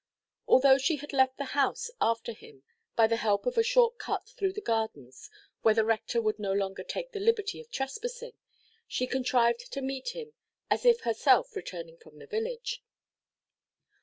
Although she had left the house after him, by the help of a short cut through the gardens, where the rector would no longer take the liberty of trespassing, she contrived to meet him as if herself returning from the village.